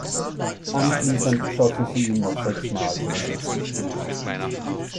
Anschließend schossen sie ihm noch sechsmal in den Rücken.